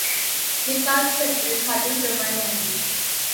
हे पाच टप्पे खालीलप्रमाणे आहेत.